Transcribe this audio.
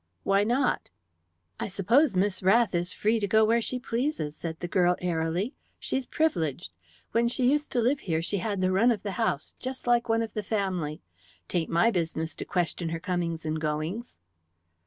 "Why not?" "I suppose Miss Rath is free to go where she pleases," said the girl airily. "She's privileged. When she used to live here she had the run of the house, just like one of the family. Tain't my business to question her comings and goings."